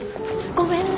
ごめんね。